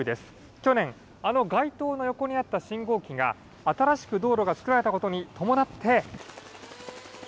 去年、あの外灯の横にあった信号機が、新しく道路が造られたことに伴って。